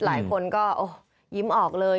หลายคนก็ยิ้มออกเลย